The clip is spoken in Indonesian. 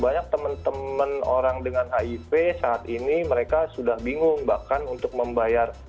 banyak teman teman orang dengan hiv saat ini mereka sudah bingung bahkan untuk membayar